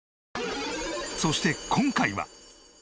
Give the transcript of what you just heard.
そして今回は。